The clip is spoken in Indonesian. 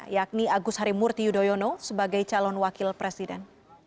yakni agus harimurti yudhoyono sebagai calon wakil presiden